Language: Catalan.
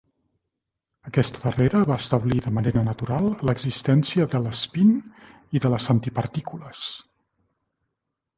Aquesta darrera va establir de manera natural l'existència de l'espín i de les antipartícules.